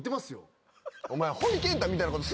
お前。